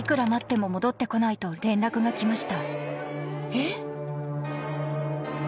えっ？